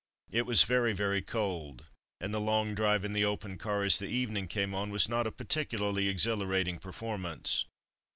It was very, very cold, and the long drive in the open car as the evening came on was not a particularly exhilarating performance.